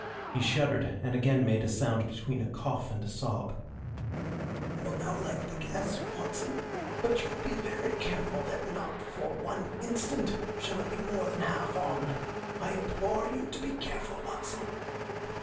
He shuddered, and again made a sound between a cough and a sob. "You will now light the gas, Watson, but you will be very careful that not for one instant shall it be more than half on. I implore you to be careful, Watson.